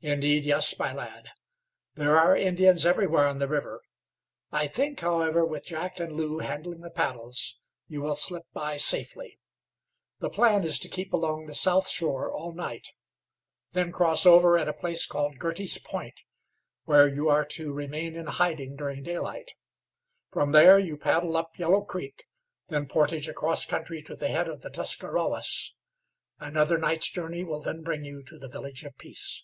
"Indeed, yes, my lad. There are Indians everywhere on the river. I think, however, with Jack and Lew handling the paddles, you will slip by safely. The plan is to keep along the south shore all night; then cross over at a place called Girty's Point, where you are to remain in hiding during daylight. From there you paddle up Yellow Creek; then portage across country to the head of the Tuscarwawas. Another night's journey will then bring you to the Village of Peace."